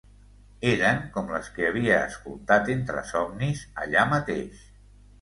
Eren com les que havia escoltat entre somnis allà mateix.